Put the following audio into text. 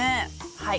はい。